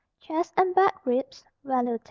Chest and back ribs (value 10).